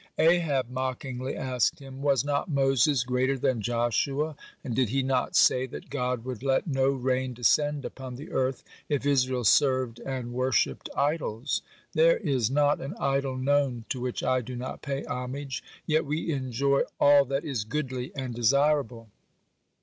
Ahab mockingly asked him: "Was not Moses greater than Joshua, and did he not say that God would let no rain descend upon the earth, if Israel served and worshipped idols? There is not an idol known to which I do not pay homage, yet we enjoy all that is goodly and desirable.